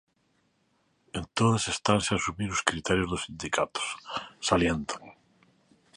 "En todas estanse a asumir os criterios dos sindicatos", salientan.